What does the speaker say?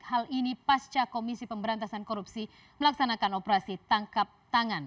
hal ini pasca komisi pemberantasan korupsi melaksanakan operasi tangkap tangan